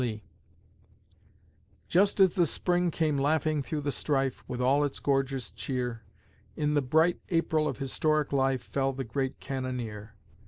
LEE Just as the Spring came laughing through the strife, With all its gorgeous cheer; In the bright April of historic life, Fell the great cannoneer....